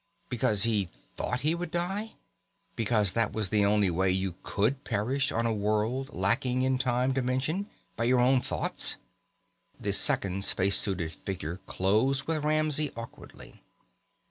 Because he thought he would die? Because that was the only way you could perish on a world lacking in the time dimension by your own thoughts? The second space suited figure closed with Ramsey awkwardly.